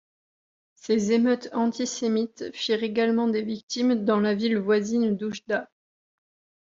Ces émeutes antisémites firent également des victimes dans la ville voisine d'Oujda.